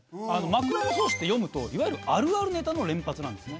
『枕草子』って読むといわゆるあるあるネタの連発なんですね。